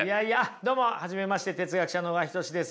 どうも初めまして哲学者の小川仁志です。